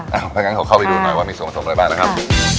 ถ้างั้นขอเข้าไปดูหน่อยว่ามีส่วนผสมอะไรบ้างนะครับ